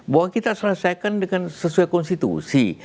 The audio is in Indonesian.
bahwa kita selesaikan dengan sesuai konstitusi